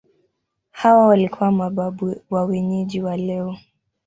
Hawa walikuwa mababu wa wenyeji wa leo.